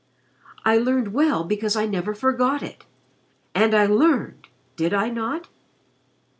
I learned well because I never forgot it. And I learned. Did I not?"